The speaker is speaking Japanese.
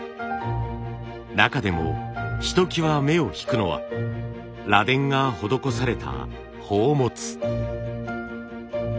中でもひときわ目を引くのは螺鈿が施された宝物。